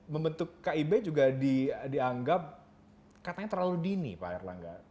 membentuk kib juga dianggap katanya terlalu dini pak erlangga